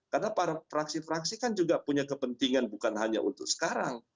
karena para fraksi fraksi kan juga punya kepentingan bukan hanya untuk sekarang